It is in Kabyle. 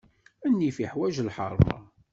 Nnif iḥwaǧ lḥeṛma.